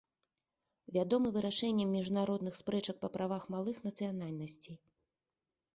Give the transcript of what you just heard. Вядомы вырашэннем міжнародных спрэчак па правах малых нацыянальнасцей.